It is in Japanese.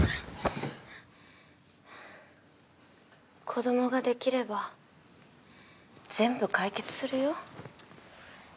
子どもができれば全部解決するよ。